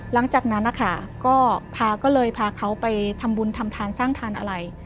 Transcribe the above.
หลังจากนั้นนะคะก็พาก็เลยพาเขาไปทำบุญทำทานสร้างทานอะไร